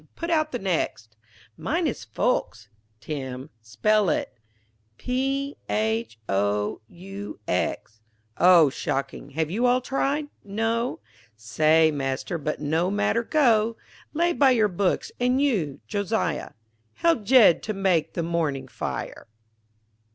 Put out the next Mine is folks. Tim, spell it P,_H_,_O_,_U_,_X_. O shocking. Have you all tried? No. Say Master, but no matter, go Lay by your books and you, Josiah, Help Jed to make the morning fire.